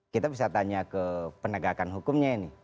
kita bisa tanya ke penegakan hukumnya ini